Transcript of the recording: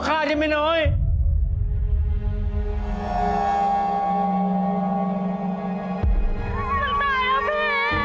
มันตายแล้วพี่มันตายแล้ว